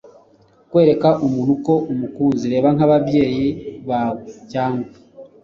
kwereka umuntu ko umukunze. reba nk'ababyeyi bawe cyangwa